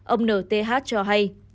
ông nth cho hay